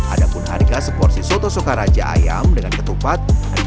adapun harga seporsi soto sokaraja ayam dengan ketupat